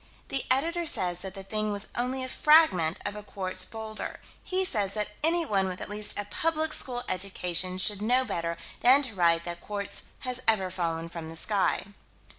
The Editor says that the thing was only a fragment of a quartz boulder. He says that anyone with at least a public school education should know better than to write that quartz has ever fallen from the sky.